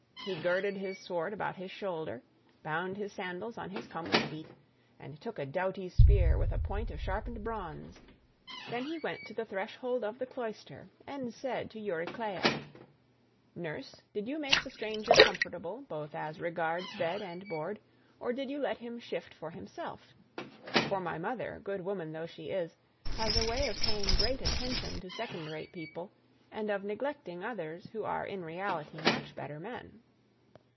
He girded his sword about his shoulder, bound his sandals on to his comely feet, and took a doughty spear with a point of sharpened bronze; then he went to the threshold of the cloister and said to Euryclea, "Nurse, did you make the stranger comfortable both as regards bed and board, or did you let him shift for himself?—for my mother, good woman though she is, has a way of paying great attention to second rate people, and of neglecting others who are in reality much better men."